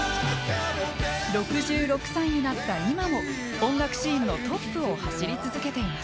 ６６歳になった今も音楽シーンのトップを走り続けています。